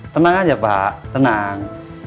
tenang aja pak tenang